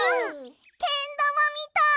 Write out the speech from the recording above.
けんだまみたい！